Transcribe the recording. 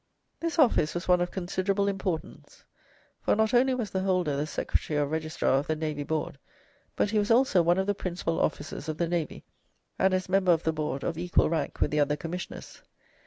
This office was one of considerable importance, for not only was the holder the secretary or registrar of the Navy Board, but he was also one of the principal officers of the navy, and, as member of the board, of equal rank with the other commissioners.